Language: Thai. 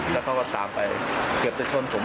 แล้วเขาก็ตามไปเกือบจะชนผม